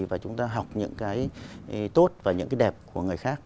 và chúng ta học những cái tốt và những cái đẹp của người khác